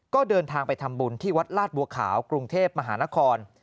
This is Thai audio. ก็เดินทางไปทำบุญที่วัดลาดบัวขาวกรุงเทพมหานคร